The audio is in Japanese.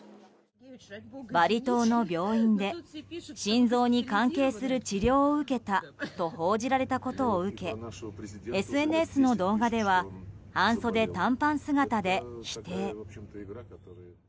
バリ島の病院で心臓に関係する治療を受けたと報じられたことを受けＳＮＳの動画では半袖短パン姿で否定。